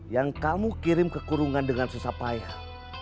yang kamu kirim kekurungan dengan susah payah